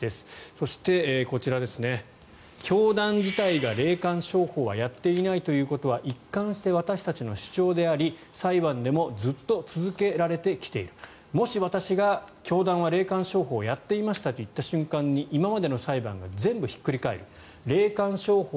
そして、こちら教団自体が霊感商法はやっていないということは一貫して私たちの主張であり裁判でもずっと続けられてきているもし私が教団は霊感商法をやっていましたという瞬間に今までの裁判が全部ひっくり返る霊感商法